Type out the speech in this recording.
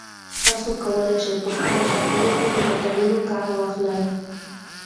تاسي کولای شئ په خپلو خبرو کې له متلونو کار واخلئ.